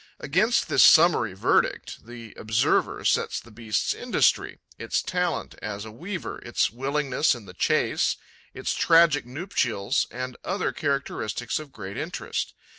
Against this summary verdict the observer sets the beast's industry, its talent as a weaver, its wiliness in the chase, its tragic nuptials and other characteristics of great interest.